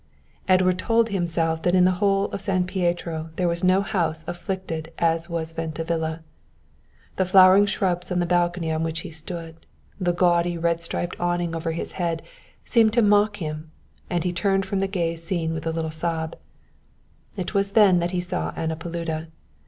Edward told himself that in the whole of San Pietro there was no house afflicted as was Venta Villa. The flowering shrubs on the balcony on which he stood, the gaudy red striped awning over his head seemed to mock him, and he turned from the gay scene with a little sob. It was then that he saw Anna Paluda.